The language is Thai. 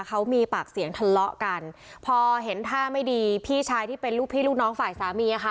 เขามีปากเสียงทะเลาะกันพอเห็นท่าไม่ดีพี่ชายที่เป็นลูกพี่ลูกน้องฝ่ายสามีอ่ะค่ะ